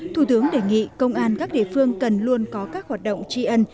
thủ tướng đề nghị công an các địa phương cần luôn có các hoạt động tri ân